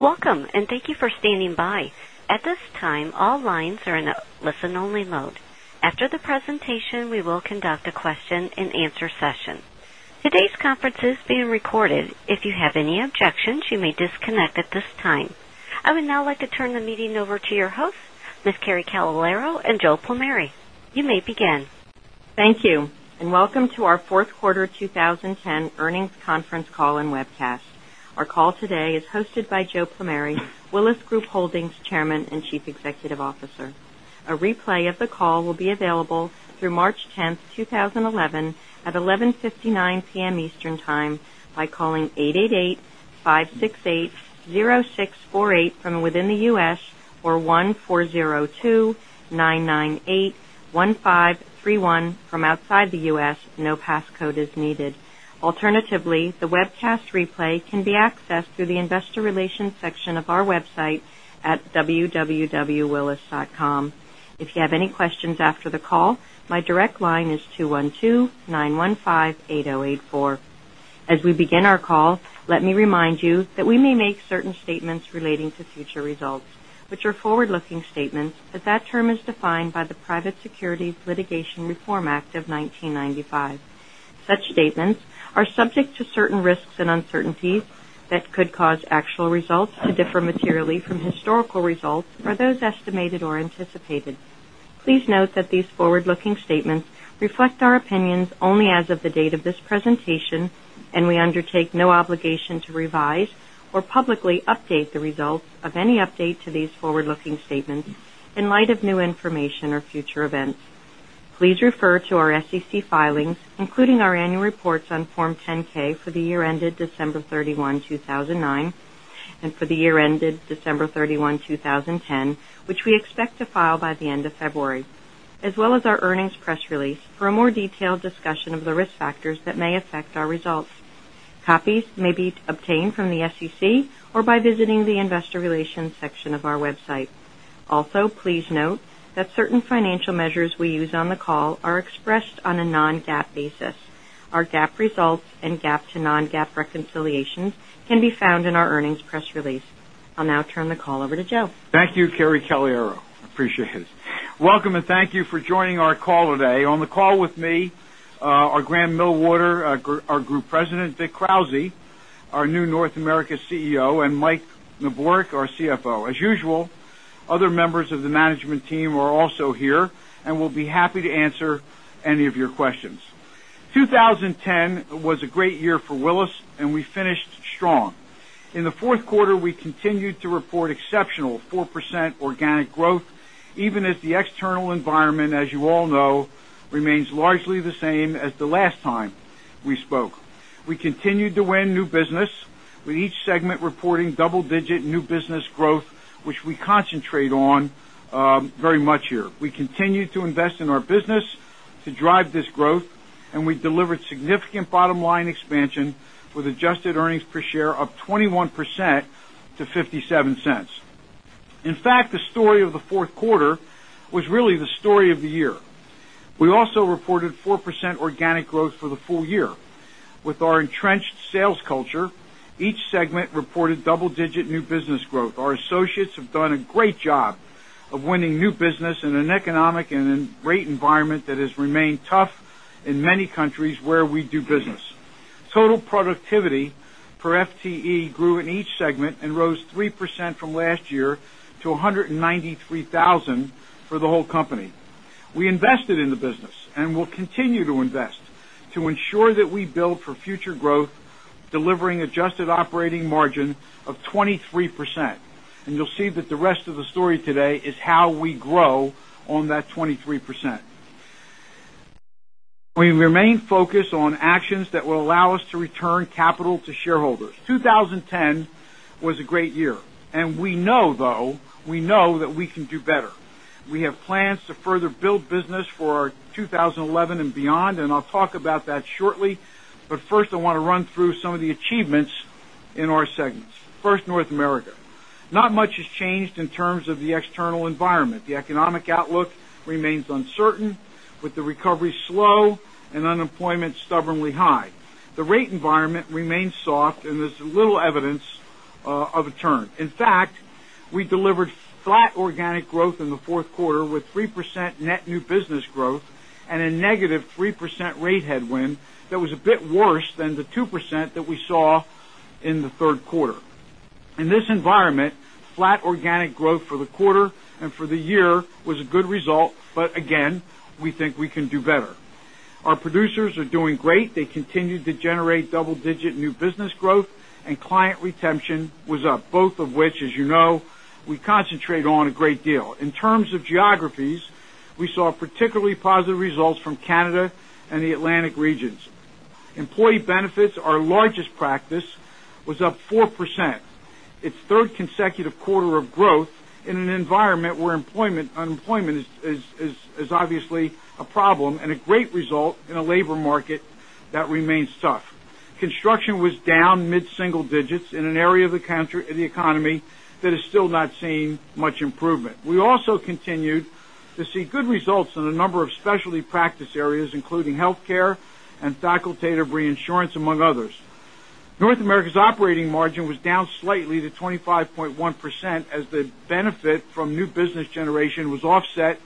Welcome, thank you for standing by. At this time, all lines are in a listen-only mode. After the presentation, we will conduct a question and answer session. Today's conference is being recorded. If you have any objections, you may disconnect at this time. I would now like to turn the meeting over to your hosts, Ms. Kerry Calaiaro and Joe Plumeri. You may begin. Thank you, welcome to our fourth quarter 2010 earnings conference call and webcast. Our call today is hosted by Joe Plumeri, Willis Group Holdings Chairman and Chief Executive Officer. A replay of the call will be available through March 10th, 2011, at 11:59 P.M. Eastern Time by calling 888-568-0648 from within the U.S. or 1-402-998-1531 from outside the U.S. No passcode is needed. Alternatively, the webcast replay can be accessed through the investor relations section of our website at www.willis.com. If you have any questions after the call, my direct line is 212-915-8084. As we begin our call, let me remind you that we may make certain statements relating to future results, which are forward-looking statements, that term is defined by the Private Securities Litigation Reform Act of 1995. Such statements are subject to certain risks and uncertainties that could cause actual results to differ materially from historical results or those estimated or anticipated. Please note that these forward-looking statements reflect our opinions only as of the date of this presentation. We undertake no obligation to revise or publicly update the results of any update to these forward-looking statements in light of new information or future events. Please refer to our SEC filings, including our annual reports on Form 10-K for the year ended December 31, 2009, and for the year ended December 31, 2010, which we expect to file by the end of February, as well as our earnings press release for a more detailed discussion of the risk factors that may affect our results. Copies may be obtained from the SEC or by visiting the investor relations section of our website. Please note that certain financial measures we use on the call are expressed on a non-GAAP basis. Our GAAP results and GAAP to non-GAAP reconciliations can be found in our earnings press release. I'll now turn the call over to Joe. Thank you, Kerry Calaiaro. Appreciate it. Welcome, thank you for joining our call today. On the call with me are Grahame Millwater, our Group President, Vic Krauze, our new North America CEO, and Michael Neborak, our CFO. As usual, other members of the management team are also here and will be happy to answer any of your questions. 2010 was a great year for Willis, we finished strong. In the fourth quarter, we continued to report exceptional 4% organic growth, even as the external environment, as you all know, remains largely the same as the last time we spoke. We continued to win new business, with each segment reporting double-digit new business growth, which we concentrate on very much here. We continued to invest in our business to drive this growth, and we delivered significant bottom-line expansion with adjusted earnings per share up 21% to $0.57. In fact, the story of the fourth quarter was really the story of the year. We also reported 4% organic growth for the full year. With our entrenched sales culture, each segment reported double-digit new business growth. Our associates have done a great job of winning new business in an economic and rate environment that has remained tough in many countries where we do business. Total productivity per FTE grew in each segment and rose 3% from last year to $193,000 for the whole company. We invested in the business and will continue to invest to ensure that we build for future growth, delivering adjusted operating margin of 23%. You'll see that the rest of the story today is how we grow on that 23%. We remain focused on actions that will allow us to return capital to shareholders. 2010 was a great year, we know, though, we know that we can do better. We have plans to further build business for 2011 and beyond, I'll talk about that shortly. First, I want to run through some of the achievements in our segments. First, North America. Not much has changed in terms of the external environment. The economic outlook remains uncertain, with the recovery slow and unemployment stubbornly high. The rate environment remains soft, there's little evidence of a turn. In fact, we delivered flat organic growth in the fourth quarter with 3% net new business growth and a -3% rate headwind that was a bit worse than the 2% that we saw in the third quarter. In this environment, flat organic growth for the quarter and for the year was a good result, again, we think we can do better. Our producers are doing great. They continued to generate double-digit new business growth, client retention was up, both of which, as you know, we concentrate on a great deal. In terms of geographies, we saw particularly positive results from Canada and the Atlantic regions. Employee benefits, our largest practice, was up 4%, its third consecutive quarter of growth in an environment where unemployment is obviously a problem and a great result in a labor market that remains tough. Construction was down mid-single digits in an area of the economy that has still not seen much improvement. We also continued to see good results in a number of specialty practice areas, including healthcare and facultative reinsurance, among others. North America's operating margin was down slightly to 25.1% as the benefit from new business generation was offset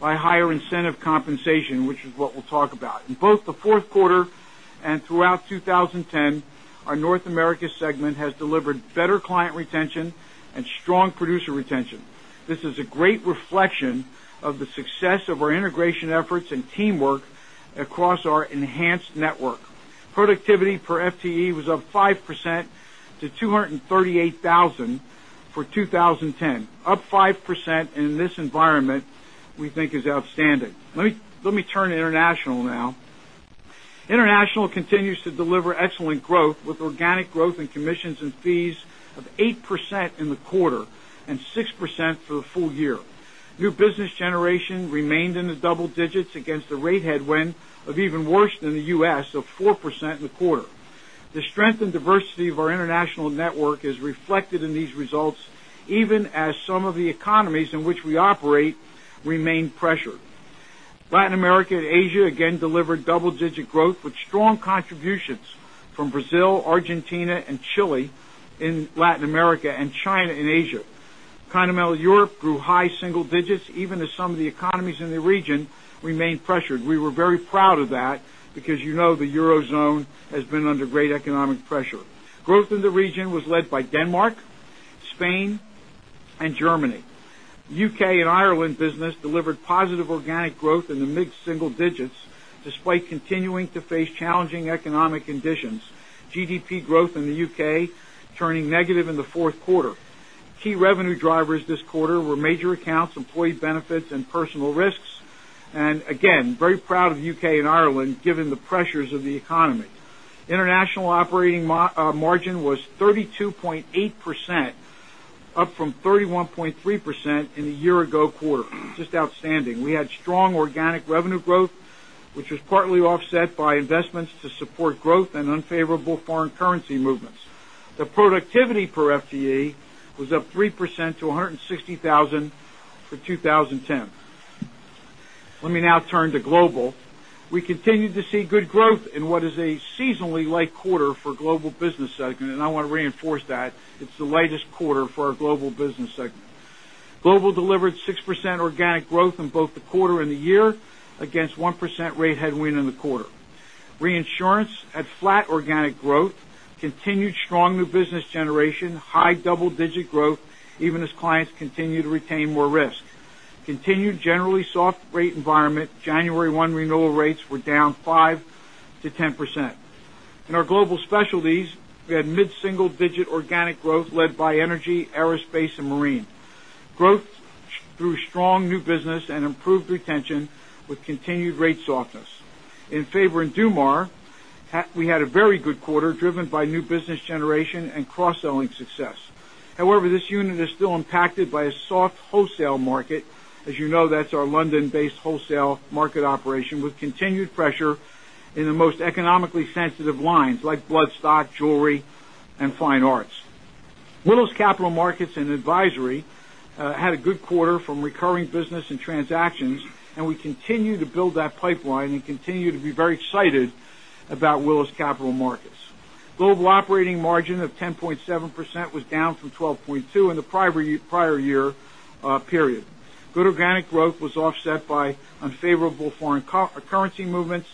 by higher incentive compensation, which is what we'll talk about. In both the fourth quarter and throughout 2010, our North America segment has delivered better client retention and strong producer retention. This is a great reflection of the success of our integration efforts and teamwork across our enhanced network. Productivity per FTE was up 5% to $238,000 for 2010. Up 5% in this environment, we think is outstanding. Let me turn to international now. International continues to deliver excellent growth with organic growth in commissions and fees of 8% in the quarter and 6% for the full year. New business generation remained in the double digits against a rate headwind of even worse than the U.S., of 4% in the quarter. The strength and diversity of our international network is reflected in these results, even as some of the economies in which we operate remain pressured. Latin America and Asia again delivered double-digit growth with strong contributions from Brazil, Argentina, and Chile in Latin America, and China in Asia. Continental Europe grew high single digits, even as some of the economies in the region remained pressured. We were very proud of that because you know the eurozone has been under great economic pressure. Growth in the region was led by Denmark, Spain, and Germany. U.K. and Ireland business delivered positive organic growth in the mid-single digits, despite continuing to face challenging economic conditions, GDP growth in the U.K. turning negative in the fourth quarter. Key revenue drivers this quarter were major accounts, employee benefits, and personal risks, again, very proud of U.K. and Ireland, given the pressures of the economy. International operating margin was 32.8%, up from 31.3% in the year-ago quarter. Just outstanding. We had strong organic revenue growth, which was partly offset by investments to support growth and unfavorable foreign currency movements. The productivity per FTE was up 3% to $160,000 for 2010. Let me now turn to Global. We continued to see good growth in what is a seasonally light quarter for Global business segment, I want to reinforce that. It's the lightest quarter for our Global business segment. Global delivered 6% organic growth in both the quarter and the year against 1% rate headwind in the quarter. Reinsurance had flat organic growth, continued strong new business generation, high double-digit growth, even as clients continue to retain more risk. Continued generally soft rate environment. January 1 renewal rates were down 5%-10%. In our global specialties, we had mid-single-digit organic growth led by energy, aerospace, and marine. Growth through strong new business and improved retention with continued rate softness. In Faber & Dumas, we had a very good quarter, driven by new business generation and cross-selling success. However, this unit is still impacted by a soft wholesale market. As you know, that's our London-based wholesale market operation with continued pressure in the most economically sensitive lines, like bloodstock, jewelry, and fine arts. Willis Capital Markets & Advisory had a good quarter from recurring business and transactions, and we continue to build that pipeline and continue to be very excited about Willis Capital Markets. Global operating margin of 10.7% was down from 12.2% in the prior year period. Good organic growth was offset by unfavorable foreign currency movements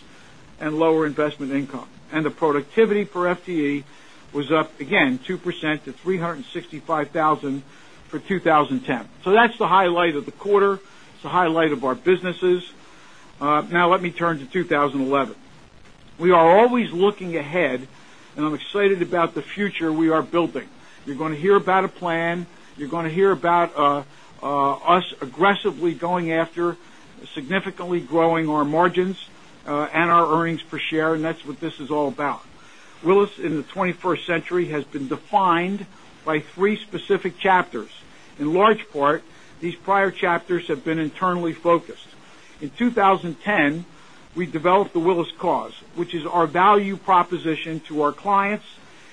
and lower investment income. The productivity per FTE was up, again, 2% to $365,000 for 2010. That's the highlight of the quarter. It's the highlight of our businesses. Now let me turn to 2011. We are always looking ahead, I'm excited about the future we are building. You're going to hear about a plan. You're going to hear about us aggressively going after significantly growing our margins and our earnings per share. That's what this is all about. Willis in the 21st century has been defined by three specific chapters. In large part, these prior chapters have been internally focused. In 2010, we developed the Willis Cause, which is our value proposition to our clients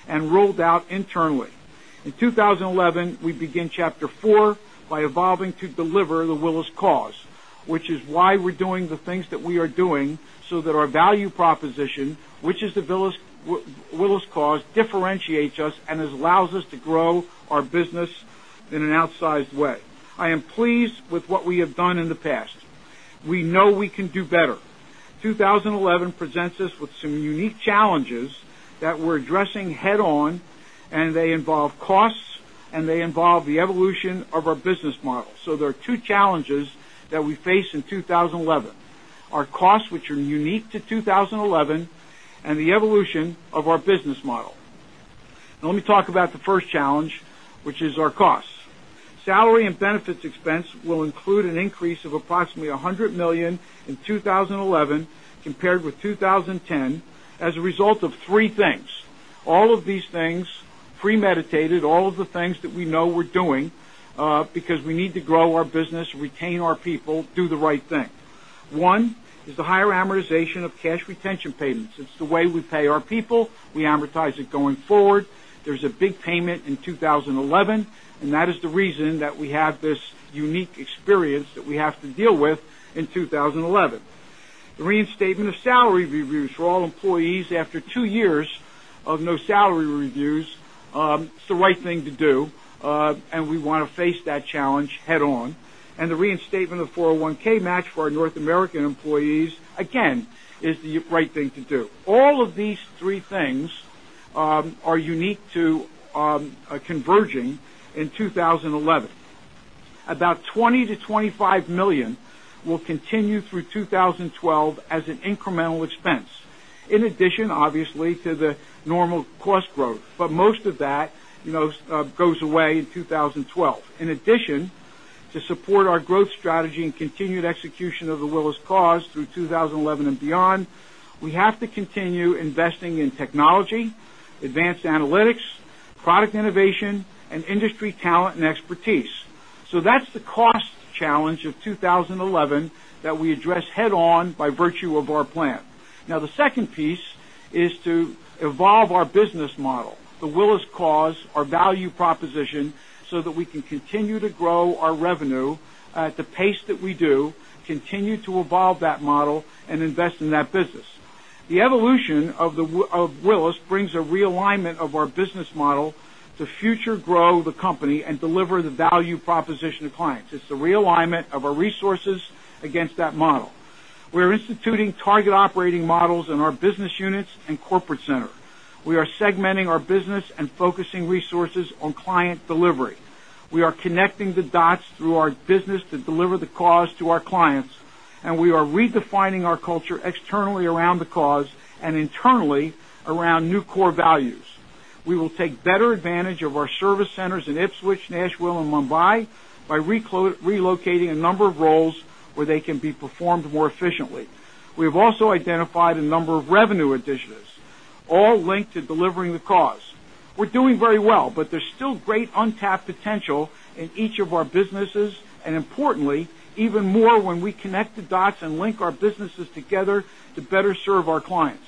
and rolled out internally. In 2011, we begin chapter four by evolving to deliver the Willis Cause, which is why we're doing the things that we are doing so that our value proposition, which is the Willis Cause, differentiates us and allows us to grow our business in an outsized way. I am pleased with what we have done in the past. We know we can do better. 2011 presents us with some unique challenges that we're addressing head-on. They involve costs, and they involve the evolution of our business model. There are two challenges that we face in 2011, our costs, which are unique to 2011, and the evolution of our business model. Let me talk about the first challenge, which is our costs. Salary and Benefits expense will include an increase of approximately $100 million in 2011 compared with 2010 as a result of three things. All of these things premeditated, all of the things that we know we're doing because we need to grow our business, retain our people, do the right thing. One is the higher amortization of cash retention payments. It's the way we pay our people. We amortize it going forward. There's a big payment in 2011. That is the reason that we have this unique experience that we have to deal with in 2011. The reinstatement of salary reviews for all employees after two years of no salary reviews, it's the right thing to do. We want to face that challenge head-on. The reinstatement of 401(k) match for our North American employees, again, is the right thing to do. All of these three things are unique to converging in 2011. About $20 million-$25 million will continue through 2012 as an incremental expense. In addition, obviously, to the normal cost growth. Most of that goes away in 2012. In addition, to support our growth strategy and continued execution of the Willis Cause through 2011 and beyond, we have to continue investing in technology, advanced analytics, product innovation, and industry talent and expertise. That's the cost challenge of 2011 that we address head-on by virtue of our plan. The second piece is to evolve our business model, the Willis Cause, our value proposition, so that we can continue to grow our revenue at the pace that we do, continue to evolve that model, and invest in that business. The evolution of Willis brings a realignment of our business model to future-grow the company and deliver the value proposition to clients. It's a realignment of our resources against that model. We're instituting target operating models in our business units and corporate center. We are segmenting our business and focusing resources on client delivery. We are connecting the dots through our business to deliver the Cause to our clients. We are redefining our culture externally around the Cause and internally around new core values. We will take better advantage of our service centers in Ipswich, Nashville, and Mumbai by relocating a number of roles where they can be performed more efficiently. We have also identified a number of revenue initiatives, all linked to Delivering the Cause. We're doing very well, but there's still great untapped potential in each of our businesses, and importantly, even more when we connect the dots and link our businesses together to better serve our clients.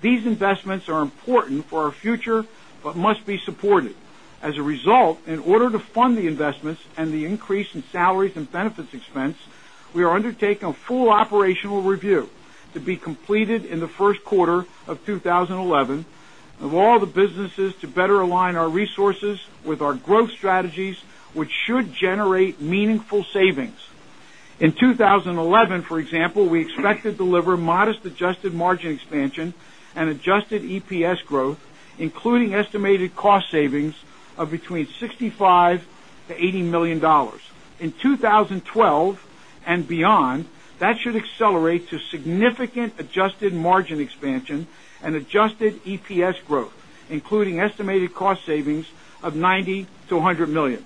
These investments are important for our future but must be supported. As a result, in order to fund the investments and the increase in salaries and benefits expense, we are undertaking a full operational review to be completed in the first quarter of 2011 of all the businesses to better align our resources with our growth strategies, which should generate meaningful savings. In 2011, for example, we expect to deliver modest adjusted margin expansion and adjusted EPS growth, including estimated cost savings of between $65 million-$80 million. In 2012 and beyond, that should accelerate to significant adjusted margin expansion and adjusted EPS growth, including estimated cost savings of $90 million-$100 million.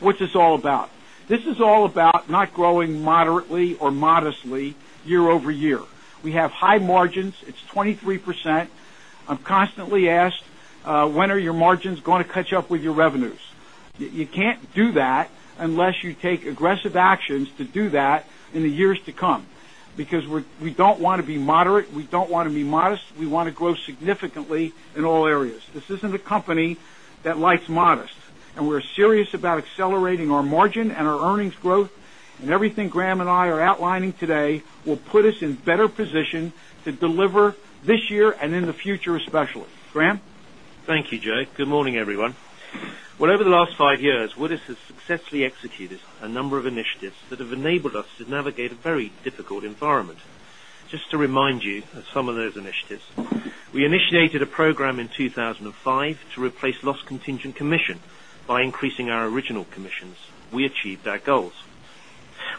What's this all about? This is all about not growing moderately or modestly year-over-year. We have high margins. It's 23%. I'm constantly asked, "When are your margins going to catch up with your revenues?" You can't do that unless you take aggressive actions to do that in the years to come, because we don't want to be moderate. We don't want to be modest. We want to grow significantly in all areas. This isn't a company that likes modest. We're serious about accelerating our margin and our earnings growth. Everything Grahame and I are outlining today will put us in better position to deliver this year and in the future, especially. Grahame? Thank you, Joe. Good morning, everyone. Over the last five years, Willis has successfully executed a number of initiatives that have enabled us to navigate a very difficult environment. Just to remind you of some of those initiatives. We initiated a program in 2005 to replace lost contingent commission by increasing our original commissions. We achieved our goals.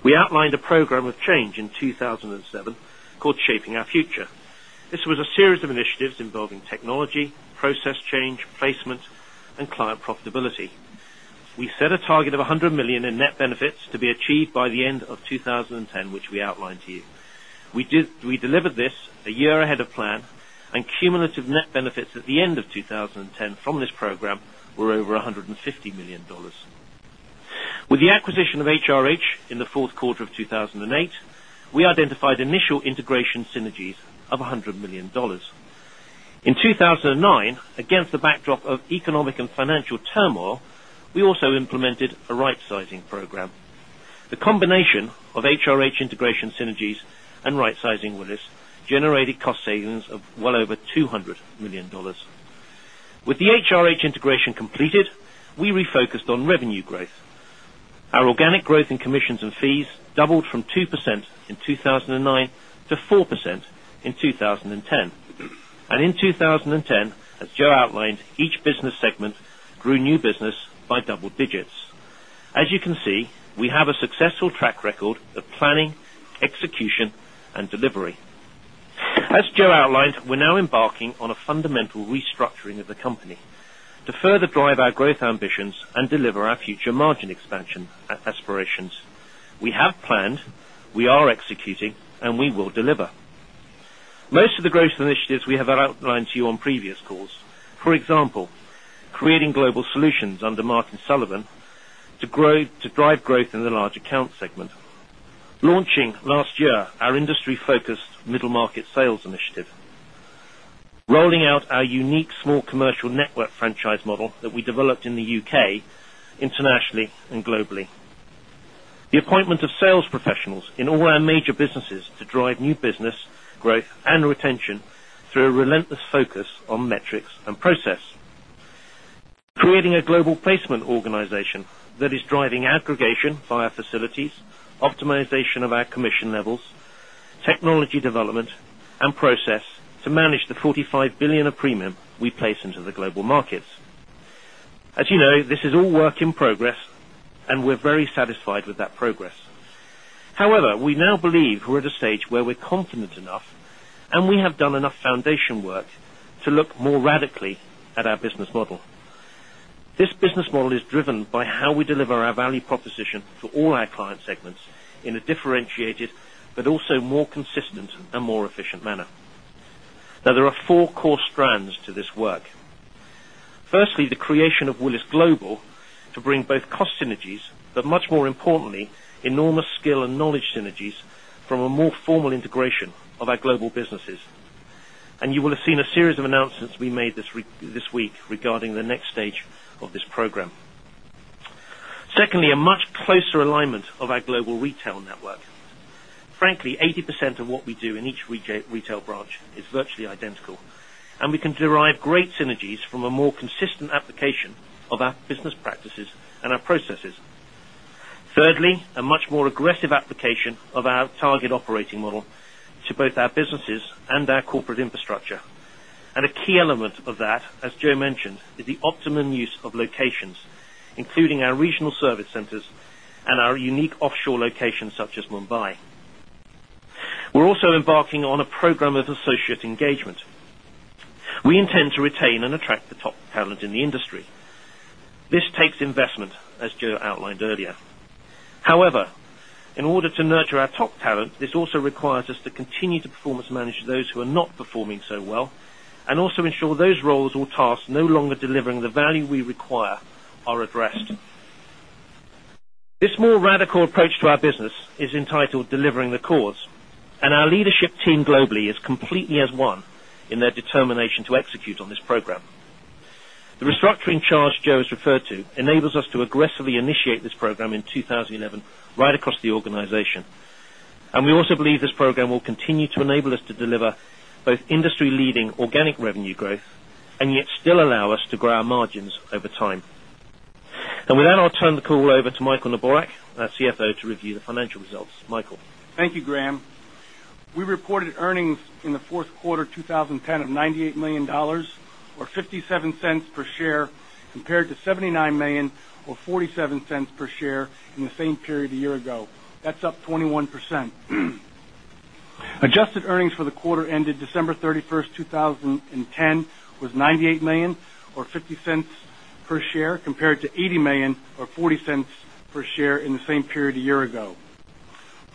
We outlined a program of change in 2007 called Shaping Our Future. This was a series of initiatives involving technology, process change, placement, and client profitability. We set a target of $100 million in net benefits to be achieved by the end of 2010, which we outlined to you. We delivered this one year ahead of plan, and cumulative net benefits at the end of 2010 from this program were over $150 million. With the acquisition of HRH in the fourth quarter of 2008, we identified initial integration synergies of $100 million. In 2009, against the backdrop of economic and financial turmoil, we also implemented a rightsizing program. The combination of HRH integration synergies and rightsizing Willis generated cost savings of well over $200 million. With the HRH integration completed, we refocused on revenue growth. Our organic growth in commissions and fees doubled from 2% in 2009 to 4% in 2010. In 2010, as Joe outlined, each business segment grew new business by double digits. As you can see, we have a successful track record of planning, execution, and delivery. As Joe outlined, we're now embarking on a fundamental restructuring of the company to further drive our growth ambitions and deliver our future margin expansion aspirations. We have planned, we are executing, and we will deliver. Most of the growth initiatives we have outlined to you on previous calls. For example, creating global solutions under Martin Sullivan to drive growth in the large account segment. Launching last year, our industry-focused middle market sales initiative. Rolling out our unique small commercial network franchise model that we developed in the U.K., internationally and globally. The appointment of sales professionals in all our major businesses to drive new business growth and retention through a relentless focus on metrics and process. Creating a global placement organization that is driving aggregation via facilities, optimization of our commission levels, technology development, and process to manage the $45 billion of premium we place into the global markets. As you know, this is all work in progress, and we're very satisfied with that progress. We now believe we're at a stage where we're confident enough, and we have done enough foundation work, to look more radically at our business model. This business model is driven by how we deliver our value proposition to all our client segments in a differentiated, but also more consistent and more efficient manner. There are four core strands to this work. Firstly, the creation of Willis Global to bring both cost synergies, but much more importantly, enormous skill and knowledge synergies from a more formal integration of our global businesses. You will have seen a series of announcements we made this week regarding the next stage of this program. Secondly, a much closer alignment of our global retail network. Frankly, 80% of what we do in each retail branch is virtually identical, and we can derive great synergies from a more consistent application of our business practices and our processes. Thirdly, a much more aggressive application of our target operating model to both our businesses and our corporate infrastructure. A key element of that, as Joe mentioned, is the optimum use of locations, including our regional service centers and our unique offshore locations such as Mumbai. We're also embarking on a program of associate engagement. We intend to retain and attract the top talent in the industry. This takes investment, as Joe outlined earlier. In order to nurture our top talent, this also requires us to continue to performance manage those who are not performing so well, and also ensure those roles or tasks no longer delivering the value we require are addressed. This more radical approach to our business is entitled Delivering the Cause. Our leadership team globally is completely as one in their determination to execute on this program. The restructuring charge Joe has referred to enables us to aggressively initiate this program in 2011 right across the organization. We also believe this program will continue to enable us to deliver both industry-leading organic revenue growth, and yet still allow us to grow our margins over time. With that, I'll turn the call over to Michael Neborak, our CFO, to review the financial results. Michael. Thank you, Grahame. We reported earnings in the fourth quarter 2010 of $98 million, or $0.57 per share, compared to $79 million or $0.47 per share in the same period a year ago. That's up 21%. Adjusted earnings for the quarter ended December 31st, 2010, was $98 million or $0.50 per share, compared to $80 million or $0.40 per share in the same period a year ago.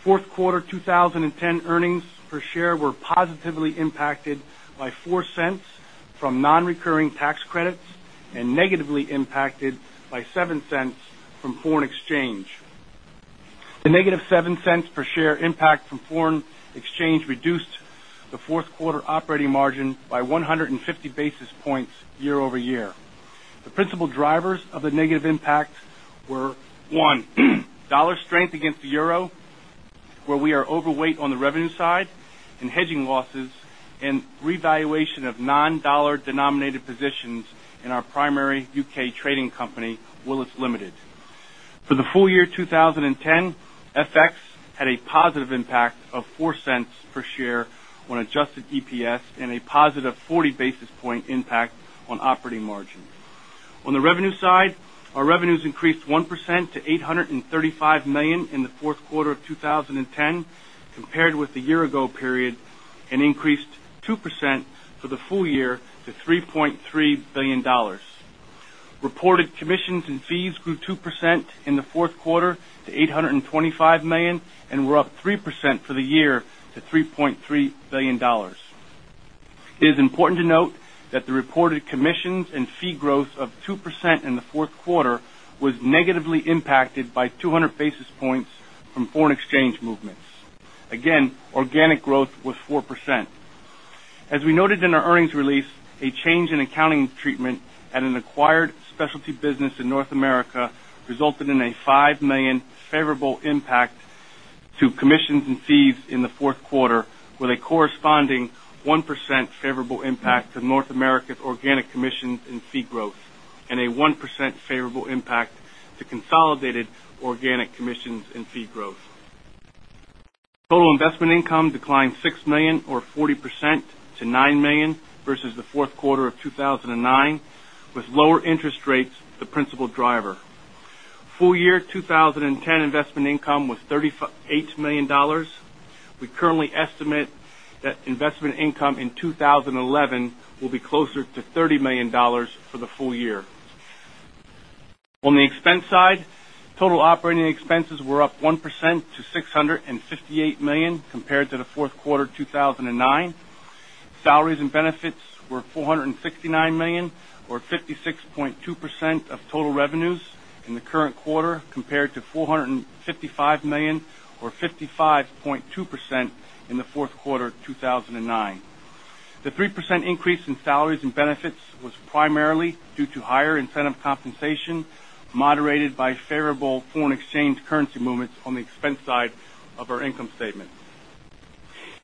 Fourth quarter 2010 earnings per share were positively impacted by $0.04 from non-recurring tax credits, and negatively impacted by $0.07 from foreign exchange. The negative $0.07 per share impact from foreign exchange reduced the fourth quarter operating margin by 150 basis points year-over-year. The principal drivers of the negative impact were, one, dollar strength against the euro, where we are overweight on the revenue side in hedging losses and revaluation of non-dollar denominated positions in our primary U.K. trading company, Willis Limited. For the full year 2010, FX had a positive impact of $0.04 per share on adjusted EPS and a positive 40 basis point impact on operating margin. On the revenue side, our revenues increased 1% to $835 million in the fourth quarter of 2010 compared with the year ago period, and increased 2% for the full year to $3.3 billion. Reported commissions and fees grew 2% in the fourth quarter to $825 million and were up 3% for the year to $3.3 billion. It is important to note that the reported commissions and fee growth of 2% in the fourth quarter was negatively impacted by 200 basis points from foreign exchange movements. Organic growth was 4%. As we noted in our earnings release, a change in accounting treatment at an acquired specialty business in North America resulted in a $5 million favorable impact to commissions and fees in the fourth quarter, with a corresponding 1% favorable impact to North America's organic commissions and fee growth, and a 1% favorable impact to consolidated organic commissions and fee growth. Total investment income declined $6 million or 40% to $9 million versus the fourth quarter of 2009, with lower interest rates the principal driver. Full year 2010 investment income was $38 million. We currently estimate that investment income in 2011 will be closer to $30 million for the full year. On the expense side, total operating expenses were up 1% to $658 million compared to the fourth quarter 2009. Salaries and benefits were $469 million, or 56.2% of total revenues in the current quarter, compared to $455 million, or 55.2% in the fourth quarter 2009. The 3% increase in salaries and benefits was primarily due to higher incentive compensation, moderated by favorable foreign exchange currency movements on the expense side of our income statement.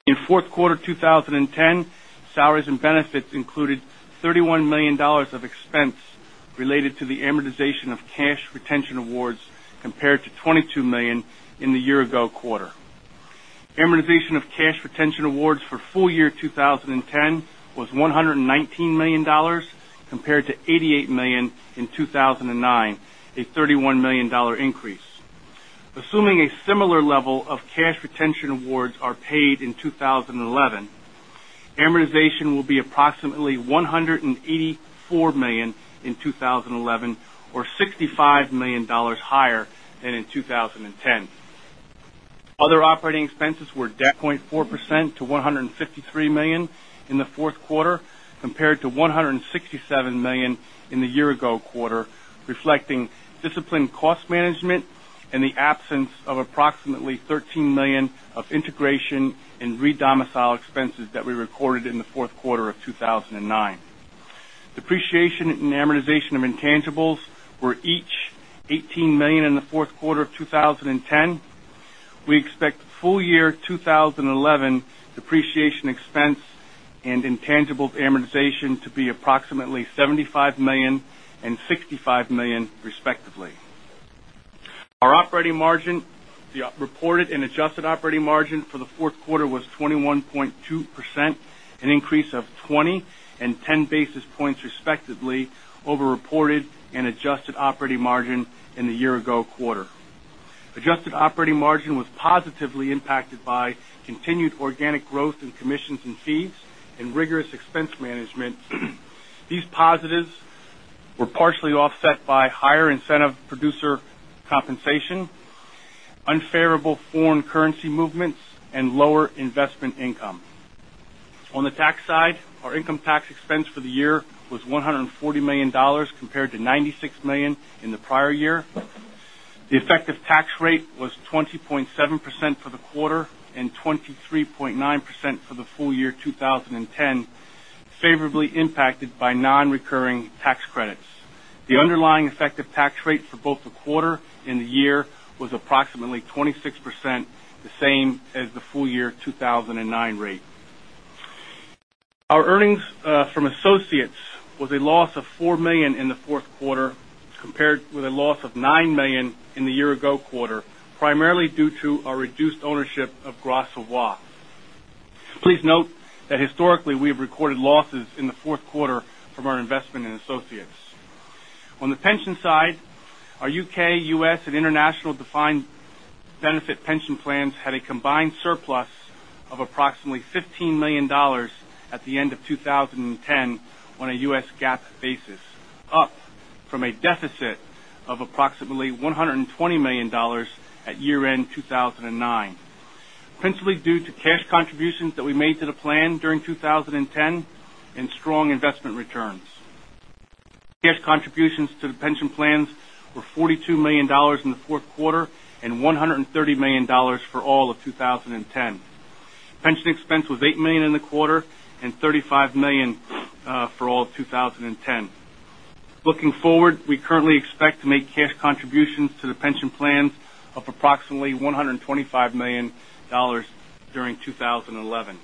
In fourth quarter 2010, salaries and benefits included $31 million of expense related to the amortization of cash retention awards, compared to $22 million in the year ago quarter. Amortization of cash retention awards for full year 2010 was $119 million compared to $88 million in 2009, a $31 million increase. Assuming a similar level of cash retention awards are paid in 2011, amortization will be approximately $184 million in 2011, or $65 million higher than in 2010. Other operating expenses were 0.4% to $153 million in the fourth quarter, compared to $167 million in the year ago quarter, reflecting disciplined cost management and the absence of approximately $13 million of integration and re-domicile expenses that we recorded in the fourth quarter of 2009. Depreciation and amortization of intangibles were each $18 million in the fourth quarter of 2010. We expect full year 2011 depreciation expense and intangibles amortization to be approximately $75 million and $65 million respectively. Our reported and adjusted operating margin for the fourth quarter was 21.2%, an increase of 20 and 10 basis points respectively over reported and adjusted operating margin in the year ago quarter. Adjusted operating margin was positively impacted by continued organic growth in commissions and fees and rigorous expense management. These positives were partially offset by higher incentive producer compensation, unfavorable foreign currency movements, and lower investment income. On the tax side, our income tax expense for the year was $140 million, compared to $96 million in the prior year. The effective tax rate was 20.7% for the quarter and 23.9% for the full year 2010, favorably impacted by non-recurring tax credits. The underlying effective tax rate for both the quarter and the year was approximately 26%, the same as the full year 2009 rate. Our earnings from associates was a loss of $4 million in the fourth quarter, compared with a loss of $9 million in the year ago quarter, primarily due to our reduced ownership of Gras Savoye. Please note that historically, we have recorded losses in the fourth quarter from our investment in associates. On the pension side, our U.K., U.S., and international defined benefit pension plans had a combined surplus of approximately $15 million at the end of 2010 on a U.S. GAAP basis, up from a deficit of approximately $120 million at year-end 2009, principally due to cash contributions that we made to the plan during 2010 and strong investment returns. Cash contributions to the pension plans were $42 million in the fourth quarter and $130 million for all of 2010. Pension expense was $8 million in the quarter and $35 million for all of 2010. Looking forward, we currently expect to make cash contributions to the pension plans of approximately $125 million during 2011.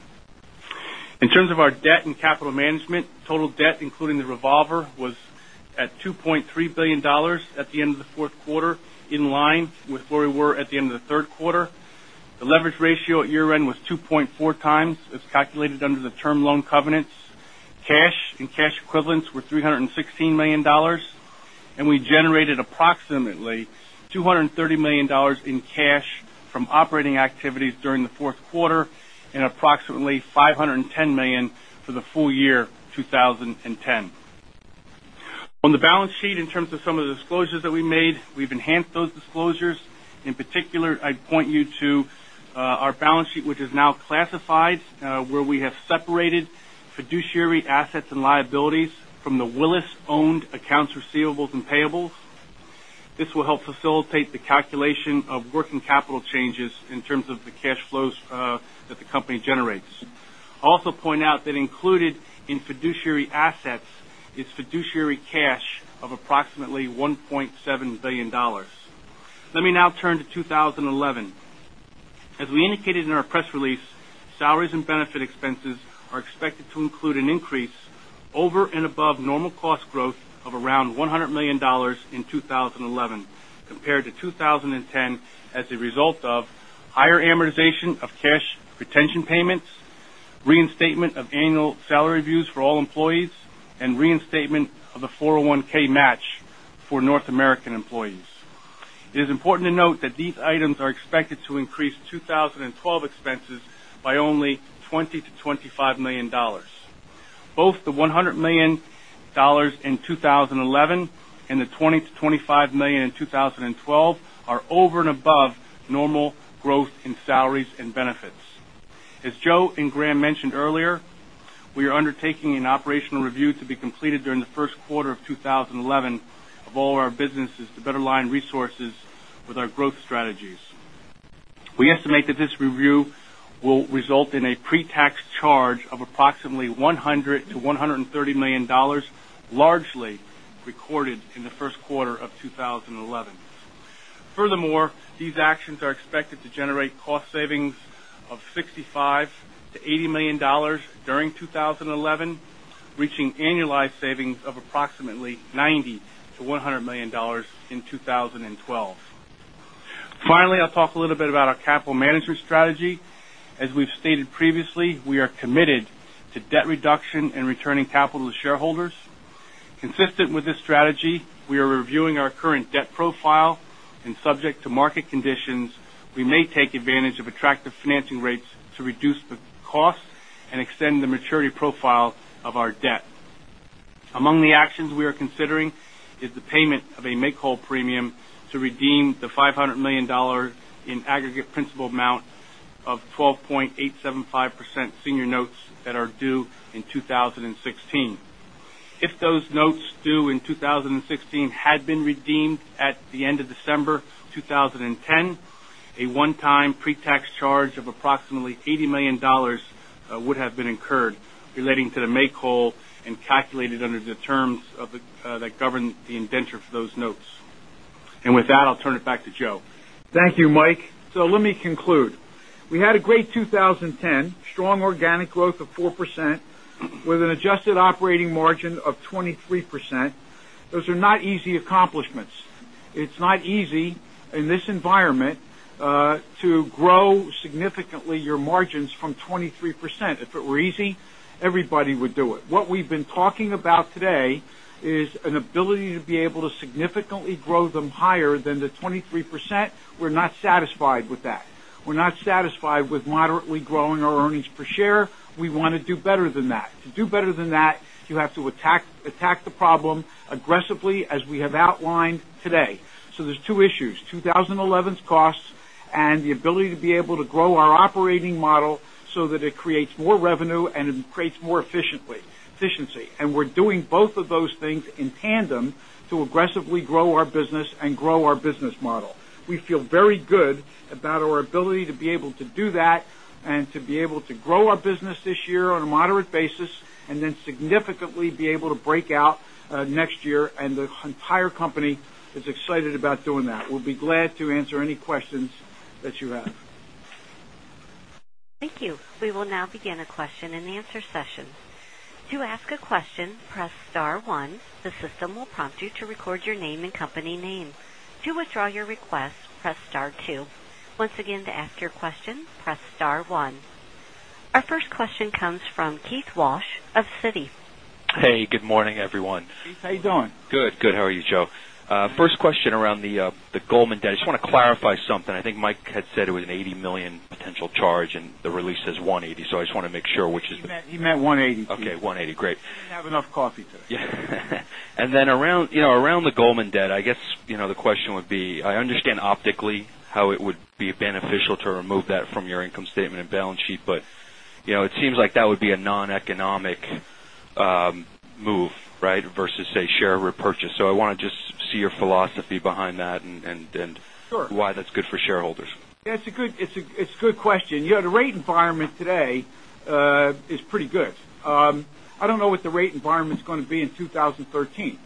In terms of our debt and capital management, total debt, including the revolver, was at $2.3 billion at the end of the fourth quarter, in line with where we were at the end of the third quarter. The leverage ratio at year end was 2.4 times, as calculated under the term loan covenants. Cash and cash equivalents were $316 million, and we generated approximately $230 million in cash from operating activities during the fourth quarter and approximately $510 million for the full year 2010. On the balance sheet, in terms of some of the disclosures that we made, we've enhanced those disclosures. In particular, I'd point you to our balance sheet, which is now classified where we have separated fiduciary assets and liabilities from the Willis-owned accounts receivables and payables. This will help facilitate the calculation of working capital changes in terms of the cash flows that the company generates. I'll also point out that included in fiduciary assets is fiduciary cash of approximately $1.7 billion. Let me now turn to 2011. As we indicated in our press release, Salaries and Benefit expenses are expected to include an increase over and above normal cost growth of around $100 million in 2011 compared to 2010 as a result of higher amortization of cash retention payments, reinstatement of annual salary reviews for all employees, and reinstatement of the 401(k) match for North American employees. It is important to note that these items are expected to increase 2012 expenses by only $20 million-$25 million. Both the $100 million in 2011 and the $20 million-$25 million in 2012 are over and above normal growth in Salaries and Benefits. As Joe and Grahame mentioned earlier, we are undertaking an operational review to be completed during the first quarter of 2011 of all our businesses to better align resources with our growth strategies. We estimate that this review will result in a pre-tax charge of approximately $100 million-$130 million, largely recorded in the first quarter of 2011. These actions are expected to generate cost savings of $65 million-$80 million during 2011, reaching annualized savings of approximately $90 million-$100 million in 2012. I'll talk a little bit about our capital management strategy. As we've stated previously, we are committed to debt reduction and returning capital to shareholders. Consistent with this strategy, we are reviewing our current debt profile, and subject to market conditions, we may take advantage of attractive financing rates to reduce the cost and extend the maturity profile of our debt. Among the actions we are considering is the payment of a make-whole premium to redeem the $500 million in aggregate principal amount of 12.875% senior notes that are due in 2016. If those notes due in 2016 had been redeemed at the end of December 2010, a one-time pre-tax charge of approximately $180 million would have been incurred relating to the make whole and calculated under the terms that govern the indenture for those notes. With that, I'll turn it back to Joe. Thank you, Mike. Let me conclude. We had a great 2010. Strong organic growth of 4% with an adjusted operating margin of 23%. Those are not easy accomplishments. It's not easy in this environment to grow significantly your margins from 23%. If it were easy, everybody would do it. What we've been talking about today is an ability to be able to significantly grow them higher than the 23%. We're not satisfied with that. We're not satisfied with moderately growing our earnings per share. We want to do better than that. To do better than that, you have to attack the problem aggressively, as we have outlined today. There's two issues, 2011's costs and the ability to be able to grow our operating model so that it creates more revenue and it creates more efficiency. We're doing both of those things in tandem to aggressively grow our business and grow our business model. We feel very good about our ability to be able to do that and to be able to grow our business this year on a moderate basis, and then significantly be able to break out next year. The entire company is excited about doing that. We'll be glad to answer any questions that you have. Thank you. We will now begin a question-and-answer session. To ask a question, press star one. The system will prompt you to record your name and company name. To withdraw your request, press star two. Once again, to ask your question, press star one. Our first question comes from Keith Walsh of Citi. Hey, good morning, everyone. Keith, how you doing? Good. How are you, Joe? First question around the Goldman debt. I just want to clarify something. I think Mike had said it was an $80 million potential charge, and the release says $180 million. I just want to make sure which is the- He meant $180 million, Keith. Okay, $180 million. Great. I didn't have enough coffee today. Yeah. Then around the Goldman debt, I guess the question would be, I understand optically how it would be beneficial to remove that from your income statement and balance sheet, it seems like that would be a noneconomic move, right, versus, say, share repurchase. I want to just see your philosophy behind that. Sure why that's good for shareholders. It's a good question. The rate environment today is pretty good. I don't know what the rate environment's going to be in 2013.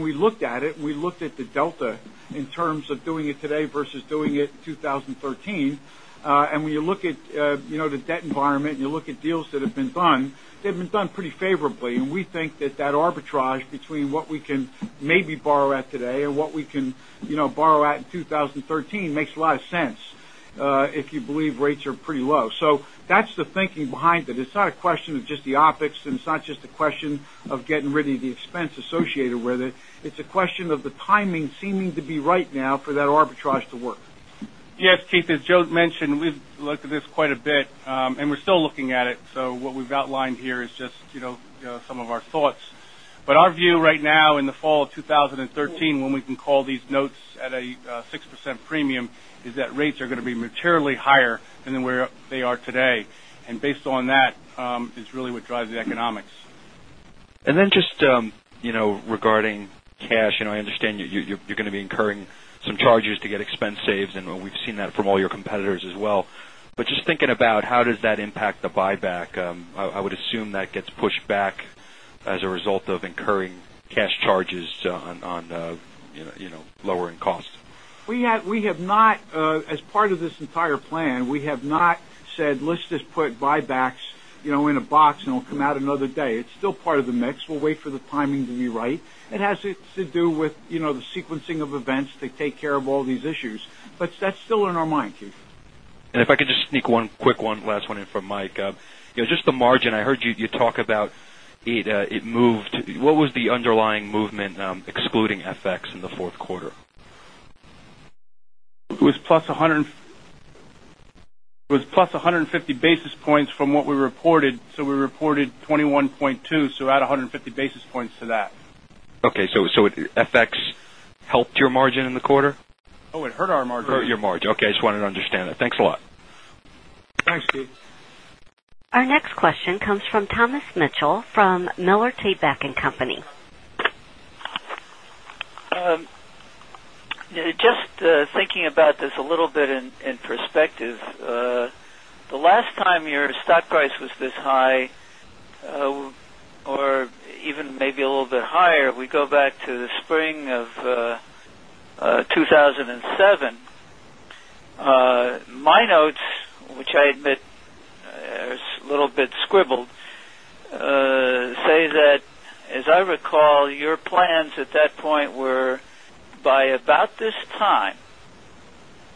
We looked at it, and we looked at the delta in terms of doing it today versus doing it in 2013. When you look at the debt environment, and you look at deals that have been done, they've been done pretty favorably, and we think that that arbitrage between what we can maybe borrow at today and what we can borrow at in 2013 makes a lot of sense, if you believe rates are pretty low. That's the thinking behind it. It's not a question of just the optics, and it's not just a question of getting rid of the expense associated with it. It's a question of the timing seeming to be right now for that arbitrage to work. Yes, Keith, as Joe's mentioned, we've looked at this quite a bit. We're still looking at it. What we've outlined here is just some of our thoughts. Our view right now, in the fall of 2013, when we can call these notes at a 6% premium, is that rates are going to be materially higher than where they are today. Based on that, is really what drives the economics. Just regarding cash, I understand you're going to be incurring some charges to get expense saves, and we've seen that from all your competitors as well. Just thinking about how does that impact the buyback. I would assume that gets pushed back as a result of incurring cash charges on lowering costs. As part of this entire plan, we have not said, "Let's just put buybacks in a box, and it'll come out another day." It's still part of the mix. We'll wait for the timing to be right. It has to do with the sequencing of events to take care of all these issues. That's still in our mind, Keith. If I could just sneak one quick one, last one in for Mike. Just the margin, I heard you talk about it moved. What was the underlying movement excluding FX in the fourth quarter? It was plus 150 basis points from what we reported. We reported 21.2, add 150 basis points to that. Okay. FX helped your margin in the quarter? Oh, it hurt our margin. Hurt your margin. Okay, I just wanted to understand that. Thanks a lot. Thanks, Keith. Our next question comes from Thomas Mitchell from Miller Tabak + Co.. Just thinking about this a little bit in perspective. The last time your stock price was this high, or even maybe a little bit higher, we go back to the spring of 2007. My notes, which I admit is a little bit scribbled, say that, as I recall, your plans at that point were, by about this time,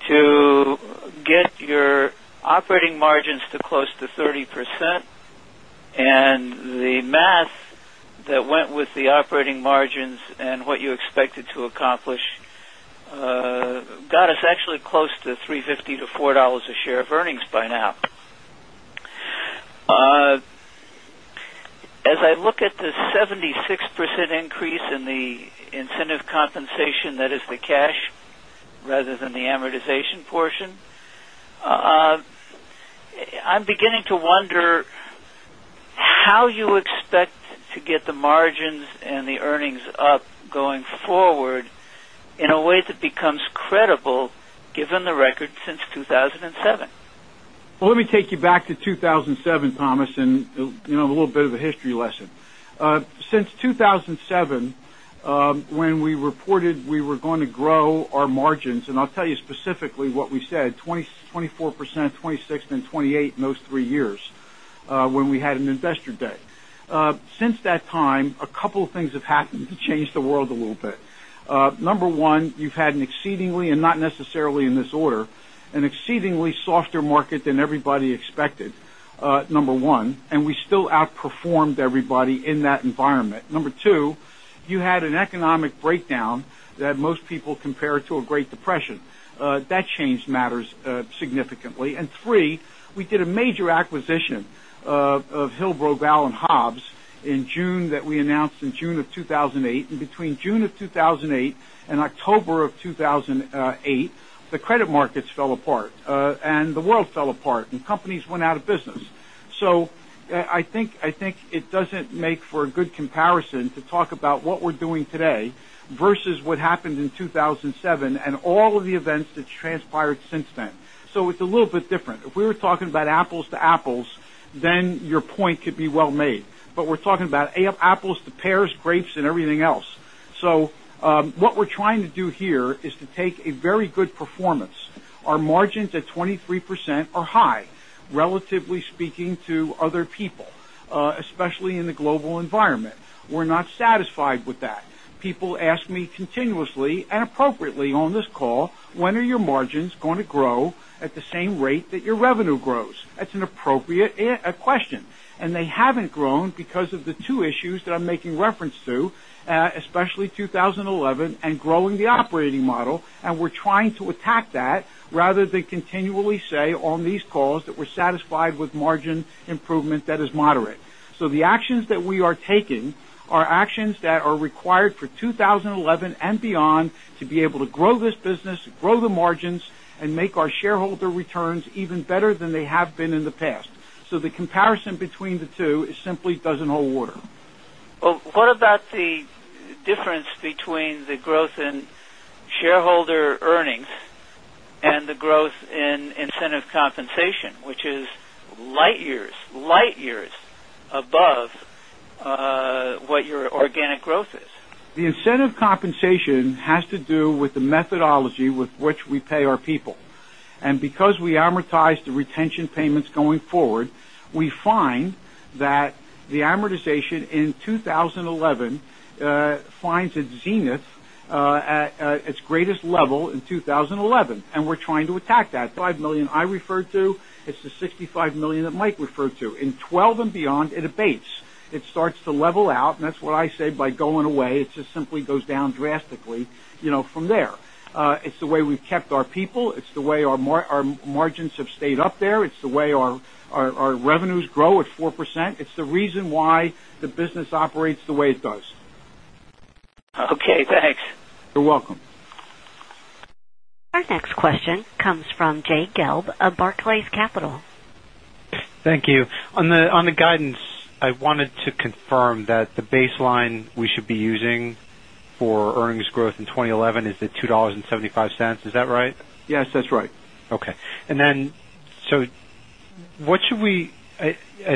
to get your operating margins to close to 30%. The math that went with the operating margins and what you expected to accomplish got us actually close to $3.50-$4 a share of earnings by now. As I look at the 76% increase in the incentive compensation, that is the cash rather than the amortization portion, I'm beginning to wonder how you expect to get the margins and the earnings up going forward in a way that becomes credible given the record since 2007. Well, let me take you back to 2007, Thomas, and a little bit of a history lesson. Since 2007, when we reported we were going to grow our margins, and I'll tell you specifically what we said, 24%, 26%, and 28% in those three years, when we had an investor day. Since that time, a couple of things have happened to change the world a little bit. Number 1, you've had an exceedingly, and not necessarily in this order, an exceedingly softer market than everybody expected, number 1, and we still outperformed everybody in that environment. Number 2, you had an economic breakdown that most people compare to a great depression. Three, we did a major acquisition of Hilb Rogal & Hobbs in June that we announced in June of 2008. Between June of 2008 and October of 2008, the credit markets fell apart, the world fell apart, and companies went out of business. I think it doesn't make for a good comparison to talk about what we're doing today versus what happened in 2007 and all of the events that transpired since then. It's a little bit different. If we were talking about apples to apples, then your point could be well made. We're talking about apples to pears, grapes, and everything else. What we're trying to do here is to take a very good performance. Our margins at 23% are high, relatively speaking to other people, especially in the global environment. We're not satisfied with that. People ask me continuously and appropriately on this call, "When are your margins going to grow at the same rate that your revenue grows?" That's an appropriate question. They haven't grown because of the two issues that I'm making reference to, especially 2011 and growing the operating model, and we're trying to attack that rather than continually say on these calls that we're satisfied with margin improvement that is moderate. The actions that we are taking are actions that are required for 2011 and beyond to be able to grow this business, grow the margins, and make our shareholder returns even better than they have been in the past. The comparison between the two simply doesn't hold water. Well, what about the difference between the growth in shareholder earnings and the growth in incentive compensation, which is light years above what your organic growth is? The incentive compensation has to do with the methodology with which we pay our people. Because we amortize the retention payments going forward, we find that the amortization in 2011 finds its zenith at its greatest level in 2011, and we're trying to attack that. $5 million I referred to, it's the $65 million that Mike referred to. In 2012 and beyond, it abates. It starts to level out, and that's what I say by going away. It just simply goes down drastically from there. It's the way we've kept our people. It's the way our margins have stayed up there. It's the way our revenues grow at 4%. It's the reason why the business operates the way it does. Okay, thanks. You're welcome. Our next question comes from Jay Gelb of Barclays Capital. Thank you. On the guidance, I wanted to confirm that the baseline we should be using for earnings growth in 2011 is the $2.75. Is that right? Yes, that's right. Okay. I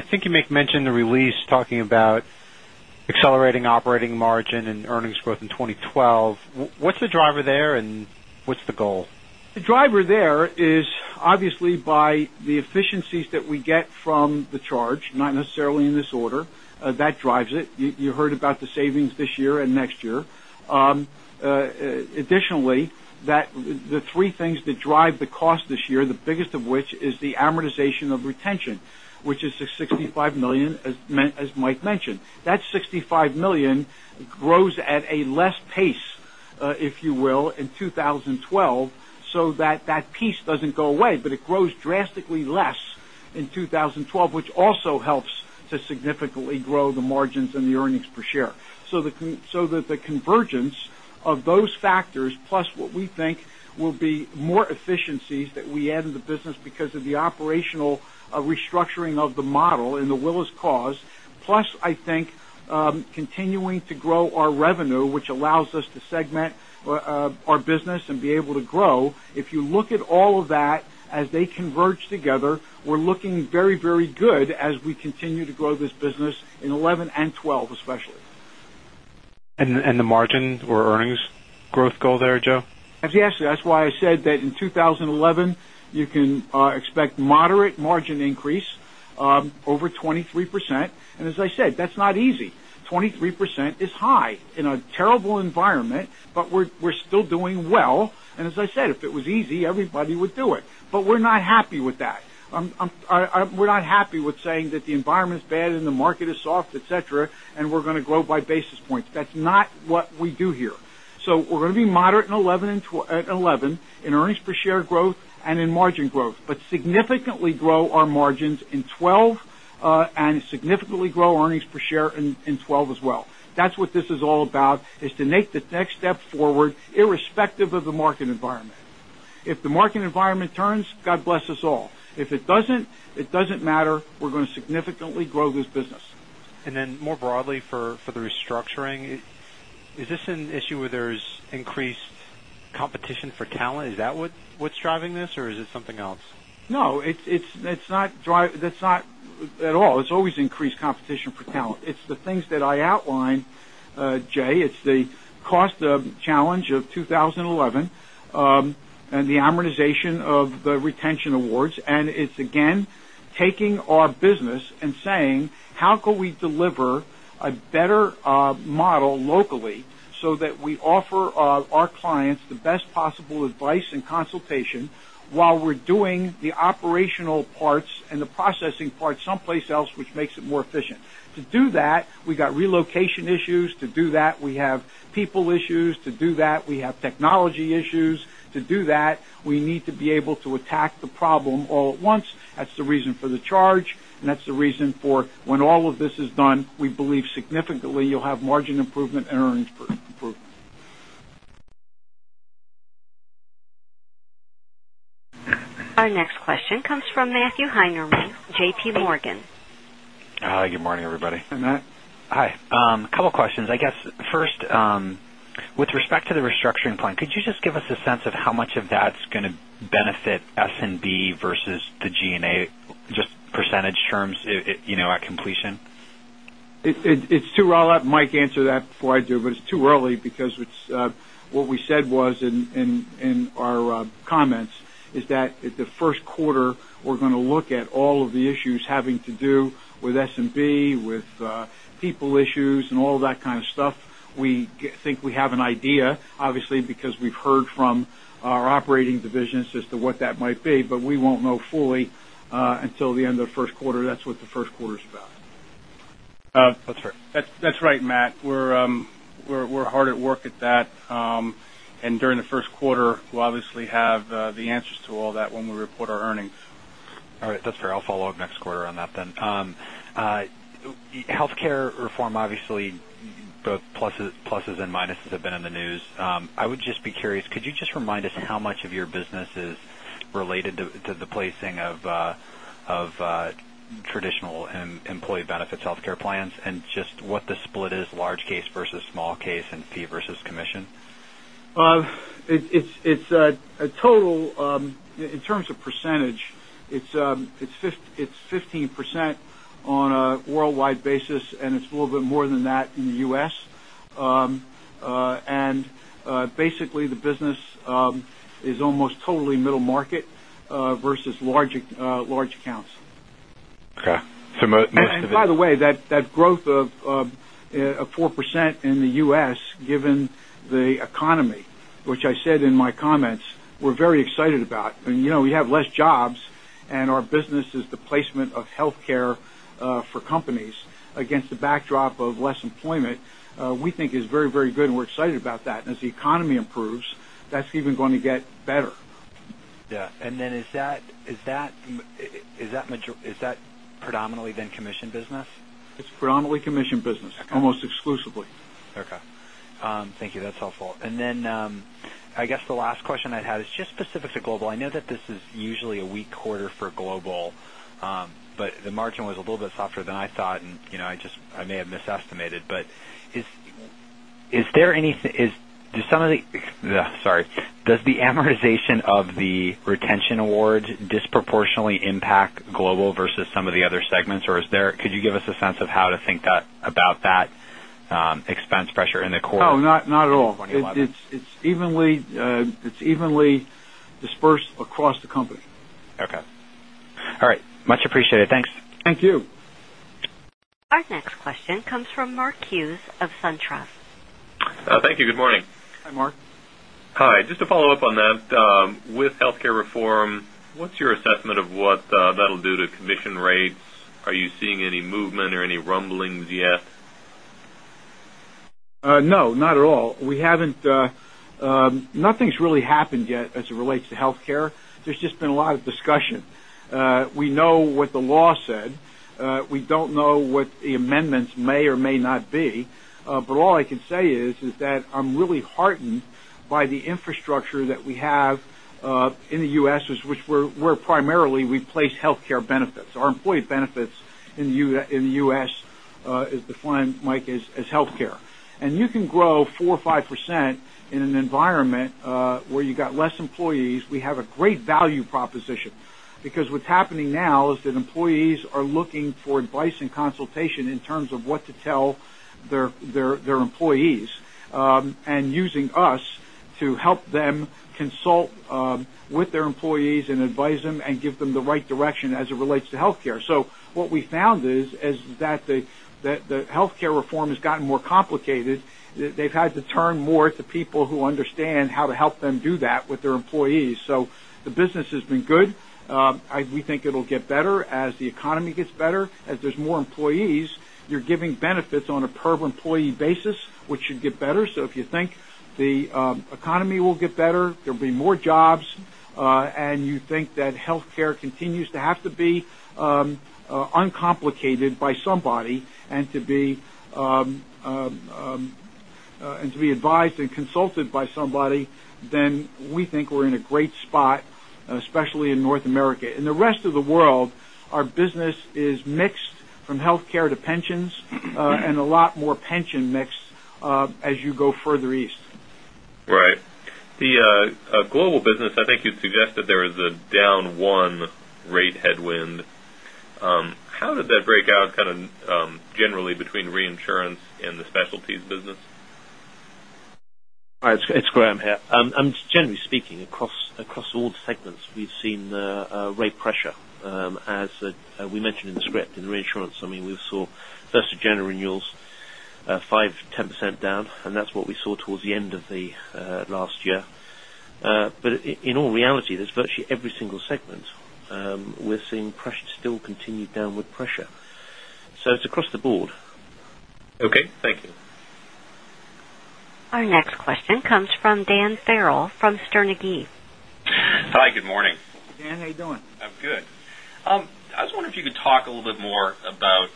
think you make mention in the release talking about accelerating operating margin and earnings growth in 2012. What's the driver there and what's the goal? The driver there is obviously by the efficiencies that we get from the charge, not necessarily in this order. That drives it. You heard about the savings this year and next year. Additionally, the three things that drive the cost this year, the biggest of which is the amortization of retention, which is the $65 million, as Mike mentioned. That $65 million grows at a less pace If you will, in 2012, so that piece doesn't go away, but it grows drastically less in 2012, which also helps to significantly grow the margins and the earnings per share. The convergence of those factors, plus what we think will be more efficiencies that we add in the business because of the operational restructuring of the model in the Willis Cause, plus, I think, continuing to grow our revenue, which allows us to segment our business and be able to grow. If you look at all of that as they converge together, we're looking very, very good as we continue to grow this business in 2011 and 2012, especially. The margin or earnings growth goal there, Joe? Yes. That's why I said that in 2011, you can expect moderate margin increase over 23%. As I said, that's not easy. 23% is high in a terrible environment, but we're still doing well. As I said, if it was easy, everybody would do it. We're not happy with that. We're not happy with saying that the environment is bad and the market is soft, et cetera, and we're going to grow by basis points. That's not what we do here. We're going to be moderate in 2011 in earnings per share growth and in margin growth, but significantly grow our margins in 2012 and significantly grow earnings per share in 2012 as well. That's what this is all about, is to make the next step forward irrespective of the market environment. If the market environment turns, God bless us all. If it doesn't, it doesn't matter. We're going to significantly grow this business. More broadly for the restructuring, is this an issue where there's increased competition for talent? Is that what's driving this, or is it something else? No, at all. It's always increased competition for talent. It's the things that I outlined, Jay. It's the cost of challenge of 2011, and the amortization of the retention awards. It's again, taking our business and saying, how can we deliver a better model locally so that we offer our clients the best possible advice and consultation while we're doing the operational parts and the processing parts someplace else, which makes it more efficient? To do that, we got relocation issues. To do that, we have people issues. To do that, we have technology issues. To do that, we need to be able to attack the problem all at once. That's the reason for the charge, and that's the reason for when all of this is done, we believe significantly you'll have margin improvement and earnings improvement. Our next question comes from Matthew Heimermann, J.P. Morgan. Hi, good morning, everybody. Hey, Matt. Hi. A couple questions. I guess, first, with respect to the restructuring plan, could you just give us a sense of how much of that's going to benefit S&B versus the G&A, just percentage terms at completion? I'll let Mike answer that before I do. It's too early because what we said was in our comments is that at the first quarter, we're going to look at all of the issues having to do with S&B, with people issues, and all that kind of stuff. We think we have an idea, obviously, because we've heard from our operating divisions as to what that might be. We won't know fully until the end of first quarter. That's what the first quarter is about. That's right. That's right, Matt. We're hard at work at that. During the first quarter, we'll obviously have the answers to all that when we report our earnings. All right. That's fair. I'll follow up next quarter on that then. Healthcare reform, obviously, both pluses and minuses have been in the news. I would just be curious, could you just remind us how much of your business is related to the placing of traditional and employee benefits healthcare plans and just what the split is, large case versus small case and fee versus commission? Well, in terms of percentage, it's 15% on a worldwide basis. It's a little bit more than that in the U.S. Basically, the business is almost totally middle market versus large accounts. Okay. By the way, that growth of 4% in the U.S., given the economy, which I said in my comments, we're very excited about. We have less jobs, and our business is the placement of healthcare for companies against the backdrop of less employment, we think is very, very good, and we're excited about that. As the economy improves, that's even going to get better. Yeah. Is that predominantly then commission business? It's predominantly commission business. Okay. Almost exclusively. Okay. Thank you. That's helpful. I guess the last question I'd had is just specific to Global. I know that this is usually a weak quarter for Global. The margin was a little bit softer than I thought, and I may have misestimated. Does the amortization of the retention award disproportionately impact Global versus some of the other segments? Or could you give us a sense of how to think about that expense pressure in the quarter? No, not at all. 2011. It's evenly dispersed across the company. Okay. All right. Much appreciated. Thanks. Thank you. Our next question comes from Mark Hughes of SunTrust. Thank you. Good morning. Hi, Mark. Hi. Just to follow up on that, with healthcare reform, what's your assessment of what that'll do to commission rates? Are you seeing any movement or any rumblings yet? No, not at all. Nothing's really happened yet as it relates to healthcare. There's just been a lot of discussion. We know what the law said. We don't know what the amendments may or may not be. All I can say is that I'm really heartened by the infrastructure that we have in the U.S., which where primarily we place healthcare benefits. Our employee benefits in the U.S. is defined, Mike, as healthcare. You can grow 4% or 5% in an environment where you got less employees. We have a great value proposition because what's happening now is that employees are looking for advice and consultation in terms of what to tell their employees, and using us to help them consult with their employees and advise them and give them the right direction as it relates to healthcare. What we found is that the healthcare reform has gotten more complicated. They've had to turn more to people who understand how to help them do that with their employees. The business has been good. We think it'll get better as the economy gets better. As there's more employees, you're giving benefits on a per employee basis, which should get better. If you think the economy will get better, there'll be more jobs, and you think that healthcare continues to have to be uncomplicated by somebody and to be advised and consulted by somebody, then we think we're in a great spot, especially in North America. In the rest of the world, our business is mixed from healthcare to pensions, and a lot more pension mix as you go further east. Right. The global business, I think you suggested there is a down 1 rate headwind. How did that break out kind of generally between reinsurance and the specialties business? It's Grahame here. Generally speaking, across all the segments, we've seen rate pressure. As we mentioned in the script, in reinsurance, we saw first of January renewals 5%-10% down, and that's what we saw towards the end of the last year. In all reality, there's virtually every single segment we're seeing still continued downward pressure. It's across the board. Okay. Thank you. Our next question comes from Dan Farrell from Sterne Agee. Hi. Good morning. Dan, how you doing? I'm good. I was wondering if you could talk a little bit more about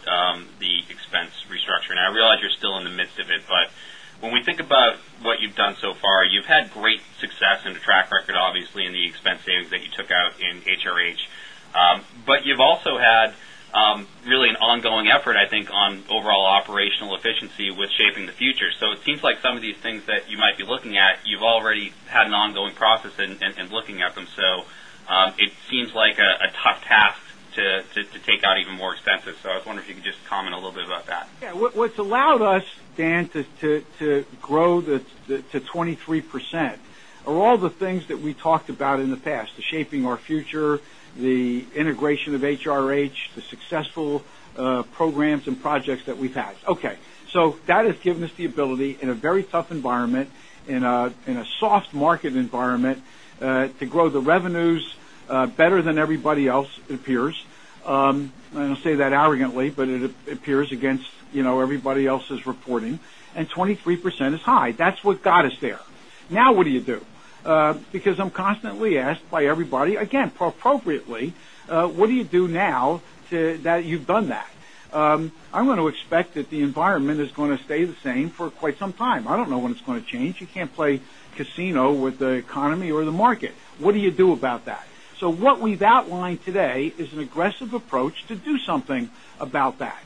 the expense restructuring. I realize you're still in the midst of it, but when we think about what you've done so far, you've had great success and a track record, obviously, in the expense savings that you took out in HRH. You've also had really an ongoing effort, I think, on overall operational efficiency with Shaping Our Future. It seems like some of these things that you might be looking at, you've already had an ongoing process in looking at them. It seems like a tough task to take out even more expenses. I was wondering if you could just comment a little bit about that. What's allowed us, Dan, to grow to 23% are all the things that we talked about in the past, the Shaping Our Future, the integration of HRH, the successful programs and projects that we've had. Okay. That has given us the ability in a very tough environment, in a soft market environment, to grow the revenues better than everybody else, it appears. I don't say that arrogantly, but it appears against everybody else's reporting, and 23% is high. That's what got us there. Now what do you do? I'm constantly asked by everybody, again, appropriately, what do you do now that you've done that? I'm going to expect that the environment is going to stay the same for quite some time. I don't know when it's going to change. You can't play casino with the economy or the market. What do you do about that? What we've outlined today is an aggressive approach to do something about that.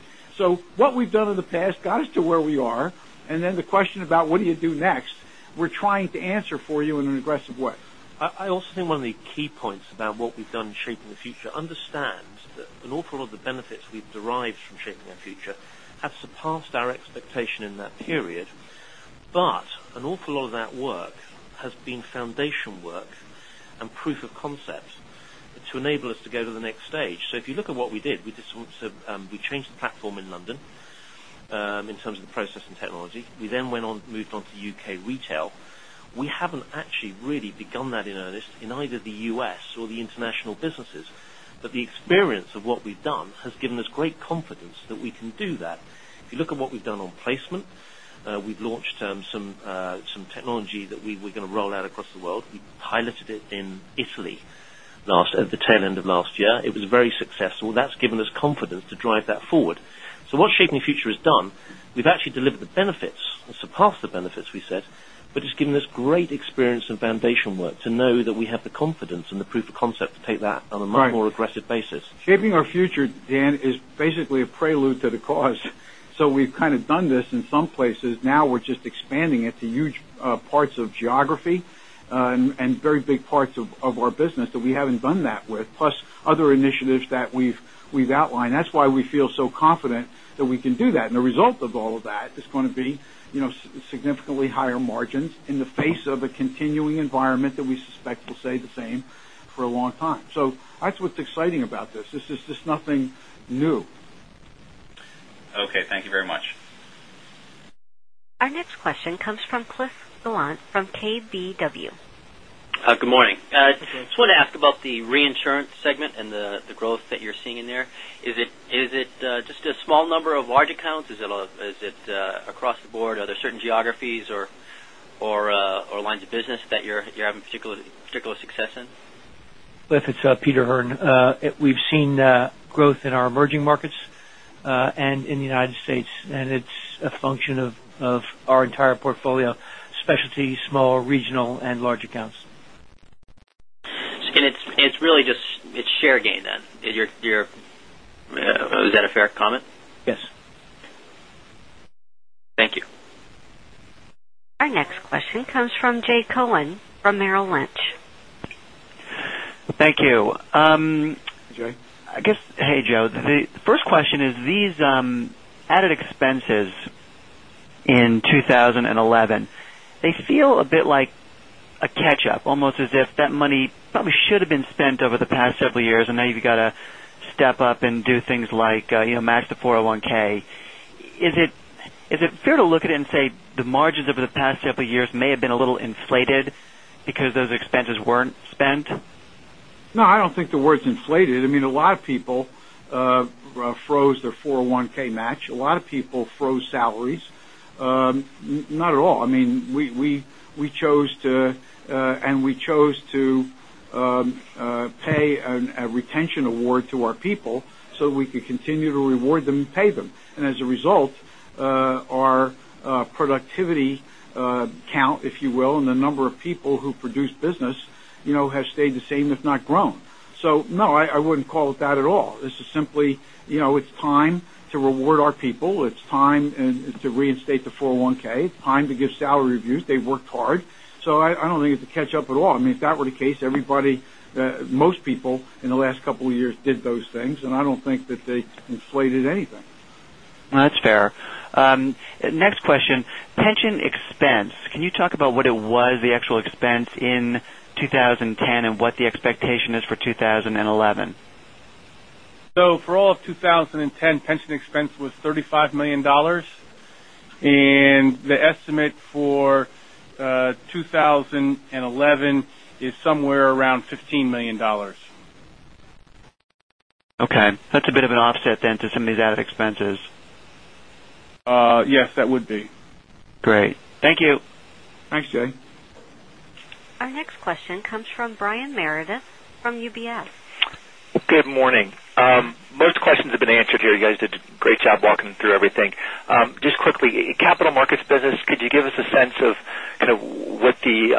What we've done in the past got us to where we are, and then the question about what do you do next, we're trying to answer for you in an aggressive way. I also think one of the key points about what we've done in Shaping Our Future, understand that an awful lot of the benefits we've derived from Shaping Our Future have surpassed our expectation in that period. An awful lot of that work has been foundation work and proof of concept to enable us to go to the next stage. If you look at what we did, we changed the platform in London, in terms of the process and technology. We then moved on to U.K. retail. We haven't actually really begun that in earnest in either the U.S. or the international businesses. The experience of what we've done has given us great confidence that we can do that. If you look at what we've done on placement, we've launched some technology that we were going to roll out across the world. We piloted it in Italy at the tail end of last year. It was very successful. That's given us confidence to drive that forward. What Shaping Our Future has done, we've actually delivered the benefits or surpassed the benefits we set, but it's given us great experience and foundation work to know that we have the confidence and the proof of concept to take that on a much more aggressive basis. Shaping Our Future, Dan, is basically a prelude to the cause. We've kind of done this in some places. Now we're just expanding it to huge parts of geography and very big parts of our business that we haven't done that with, plus other initiatives that we've outlined. That's why we feel so confident that we can do that. The result of all of that is going to be significantly higher margins in the face of a continuing environment that we suspect will stay the same for a long time. That's what's exciting about this. This is nothing new. Okay, thank you very much. Our next question comes from Cliff Gallant from KBW. Good morning. Good morning. Just wanted to ask about the reinsurance segment and the growth that you're seeing in there. Is it just a small number of large accounts? Is it across the board? Are there certain geographies or lines of business that you're having particular success in? Cliff, it's Peter Hearn. We've seen growth in our emerging markets, and in the United States, and it's a function of our entire portfolio, specialty, small, regional, and large accounts. It's really just share gain then. Is that a fair comment? Yes. Thank you. Our next question comes from Jay Cohen from Merrill Lynch. Thank you. Hey, Jay. Hey, Joe. The first question is these added expenses in 2011, they feel a bit like a catch-up, almost as if that money probably should've been spent over the past several years, now you've got to step up and do things like match the 401(k). Is it fair to look at it and say the margins over the past several years may have been a little inflated because those expenses weren't spent? I don't think the word's inflated. A lot of people froze their 401(k) match. A lot of people froze salaries. Not at all. We chose to pay a retention award to our people so we could continue to reward them and pay them. As a result, our productivity count, if you will, and the number of people who produce business, has stayed the same, if not grown. No, I wouldn't call it that at all. This is simply, it's time to reward our people. It's time to reinstate the 401(k). It's time to give salary reviews. They've worked hard. I don't think it's a catch-up at all. If that were the case, most people in the last couple of years did those things, I don't think that they inflated anything. That's fair. Next question, pension expense. Can you talk about what it was, the actual expense in 2010, and what the expectation is for 2011? For all of 2010, pension expense was $35 million. The estimate for 2011 is somewhere around $15 million. Okay. That's a bit of an offset then to some of these added expenses. Yes, that would be. Great. Thank you. Thanks, Jay. Our next question comes from Brian Meredith from UBS. Good morning. Most questions have been answered here. You guys did a great job walking through everything. Just quickly, capital markets business, could you give us a sense of kind of what the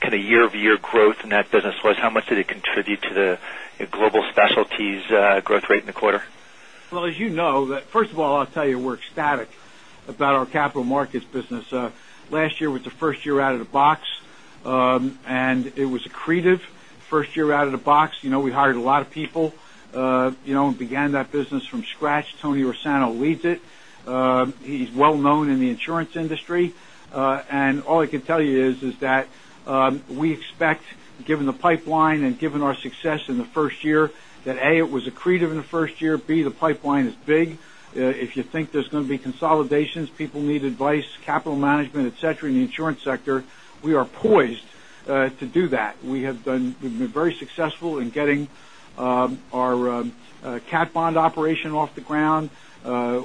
kind of year-over-year growth in that business was? How much did it contribute to the Global Specialties growth rate in the quarter? As you know, first of all, I'll tell you we're ecstatic about our capital markets business. Last year was the first year out of the box. It was accretive first year out of the box. We hired a lot of people, began that business from scratch. Tony Ursano leads it. He's well-known in the insurance industry. All I can tell you is that we expect, given the pipeline and given our success in the first year, that, A, it was accretive in the first year, B, the pipeline is big. If you think there's going to be consolidations, people need advice, capital management, et cetera, in the insurance sector, we are poised to do that. We've been very successful in getting our cat bond operation off the ground.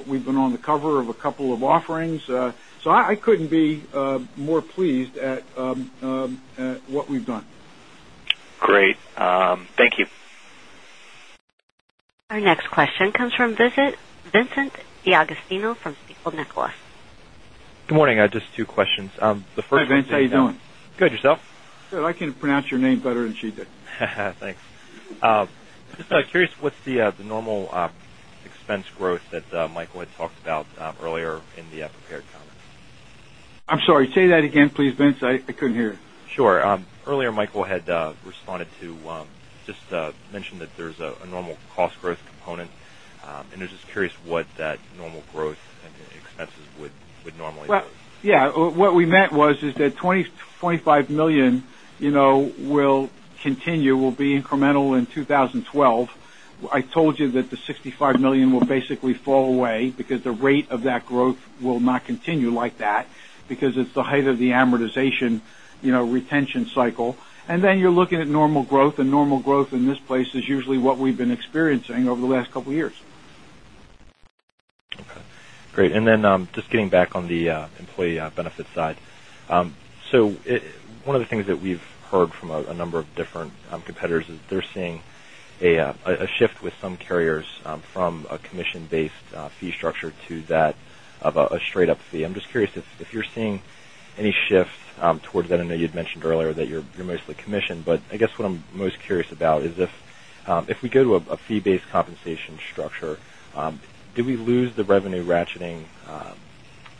We've been on the cover of a couple of offerings. I couldn't be more pleased at what we've done. Great. Thank you. Our next question comes from Vincent D'Agostino from Stifel Nicolaus. Good morning. Just 2 questions. Hi, Vince. How are you doing? Good. Yourself? Good. I can pronounce your name better than she did. Thanks. Just curious, what's the normal expense growth that Michael had talked about earlier in the prepared comments? I'm sorry, say that again, please, Vince. I couldn't hear. Sure. Earlier, Michael had responded to just mention that there's a normal cost growth component. I was just curious what that normal growth and expenses would normally be. Yeah. What we meant was is that $20 million-$25 million will continue, will be incremental in 2012. I told you that the $65 million will basically fall away because the rate of that growth will not continue like that because it's the height of the amortization retention cycle. You're looking at normal growth, and normal growth in this place is usually what we've been experiencing over the last couple of years. Okay, great. Just getting back on the employee benefits side. One of the things that we've heard from a number of different competitors is they're seeing a shift with some carriers from a commission-based fee structure to that of a straight-up fee. I'm just curious if you're seeing any shift towards that. I know you'd mentioned earlier that you're mostly commission, but I guess what I'm most curious about is if we go to a fee-based compensation structure, do we lose the revenue ratcheting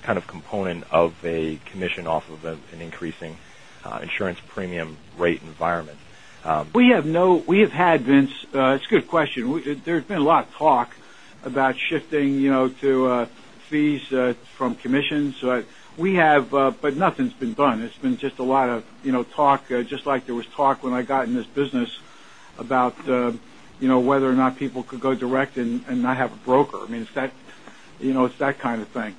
kind of component of a commission off of an increasing insurance premium rate environment? It's a good question. There's been a lot of talk about shifting to fees from commissions, nothing's been done. It's been just a lot of talk, just like there was talk when I got in this business about whether or not people could go direct and not have a broker. It's that kind of thing.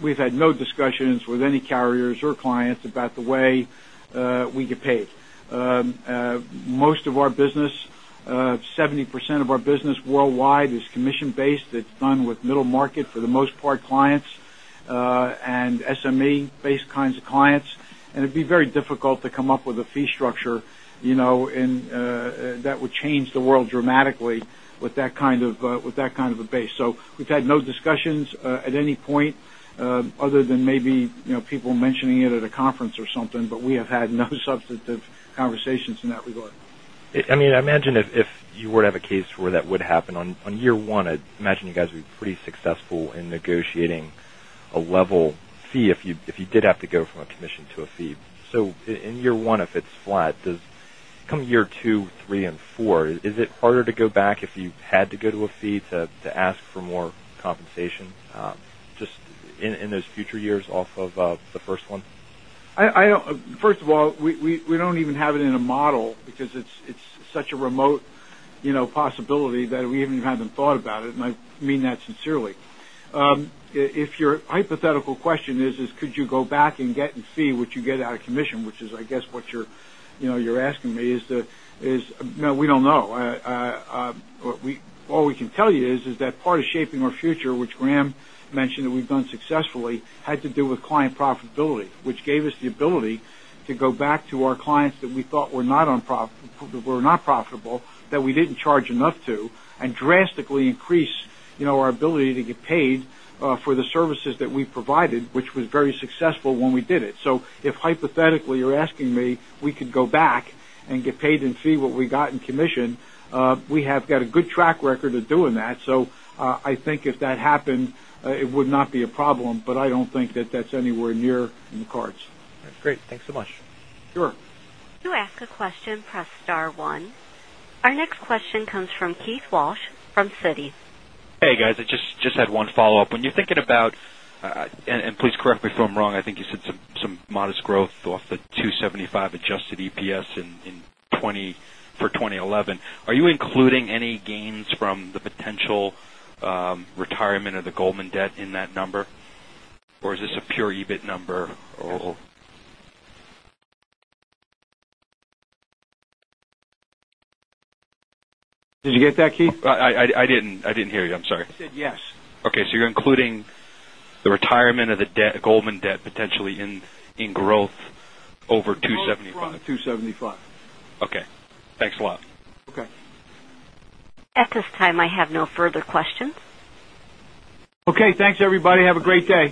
We've had no discussions with any carriers or clients about the way we get paid. Most of our business, 70% of our business worldwide, is commission-based. It's done with middle market, for the most part, clients, and SME-based kinds of clients. It'd be very difficult to come up with a fee structure that would change the world dramatically with that kind of a base. We've had no discussions at any point, other than maybe people mentioning it at a conference or something, but we have had no substantive conversations in that regard. I imagine if you were to have a case where that would happen on year one, I'd imagine you guys would be pretty successful in negotiating a level fee if you did have to go from a commission to a fee. In year one, if it's flat, come year two, three, and four, is it harder to go back if you had to go to a fee to ask for more compensation, just in those future years off of the first one? First of all, we don't even have it in a model because it's such a remote possibility that we even haven't thought about it, and I mean that sincerely. If your hypothetical question is, could you go back and get in fee what you get out of commission, which is, I guess, what you're asking me is, no, we don't know. All we can tell you is that part of Shaping Our Future, which Grahame mentioned that we've done successfully, had to do with client profitability, which gave us the ability to go back to our clients that we thought were not profitable, that we didn't charge enough to, and drastically increase our ability to get paid for the services that we provided, which was very successful when we did it. If hypothetically, you're asking me, we could go back and get paid in fee what we got in commission, we have got a good track record of doing that. I think if that happened, it would not be a problem, but I don't think that that's anywhere near in the cards. Great. Thanks so much. Sure. To ask a question, press star one. Our next question comes from Keith Walsh from Citi. Hey, guys. I just had one follow-up. When you're thinking about, please correct me if I'm wrong, I think you said some modest growth off the $2.75 adjusted EPS for 2011. Are you including any gains from the potential retirement of the Goldman debt in that number? Or is this a pure EBIT number or? Did you get that, Keith? I didn't hear you. I'm sorry. I said yes. Okay. You're including the retirement of the Goldman debt potentially in growth over 2.75? Growth from 2.75. Okay. Thanks a lot. Okay. At this time, I have no further questions. Okay. Thanks, everybody. Have a great day.